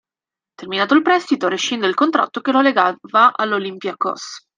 Terminato il prestito, rescinde il contratto che lo legava all'Olympiakos.